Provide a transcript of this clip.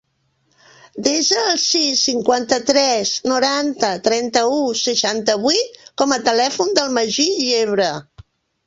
Desa el sis, cinquanta-tres, noranta, trenta-u, seixanta-vuit com a telèfon del Magí Yebra.